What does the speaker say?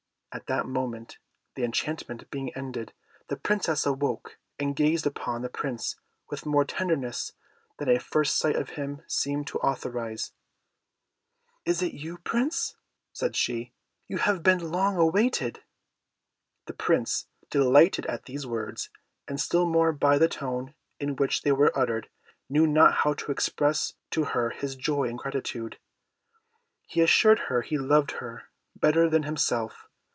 At that moment, the enchantment being ended, the Princess awoke, and gazing upon the Prince with more tenderness than a first sight of him seemed to authorize, "Is it you, Prince?" said she; "you have been long awaited." The Prince, delighted at these words, and still more by the tone in which they were uttered, knew not how to express to her his joy and gratitude. [Illustration: The Sleeping Beauty. P. 12.] He assured her he loved her better than himself.